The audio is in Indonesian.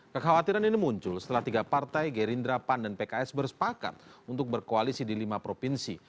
kekhawatiran ini muncul setelah tiga partai gerindra pan dan pks bersepakat untuk berkoalisi di lima provinsi